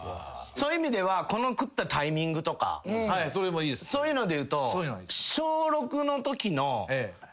そういう意味では食ったタイミングとかそういうので言うと。